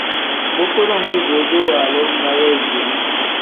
Bu kudum liidee-duu waaluru ne weegeeli.